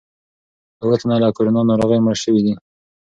اووه تنه له کورونا ناروغۍ مړه شوي دي.